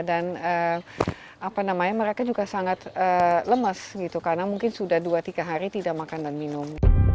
dan mereka juga sangat lemes gitu karena mungkin sudah dua tiga hari tidak makan dan minum